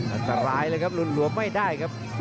อันตรายเลยครับหลุนหลวมไม่ได้ครับ